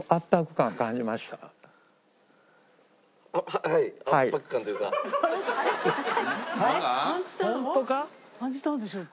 感じたんでしょうか？